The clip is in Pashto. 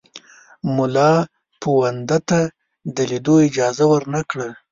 مُلاپوونده ته د لیدلو اجازه ورنه کړه.